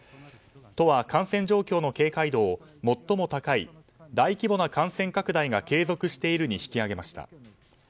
都は、感染状況の警戒度を最も高い大規模な感染拡大が継続しているに引き上げました。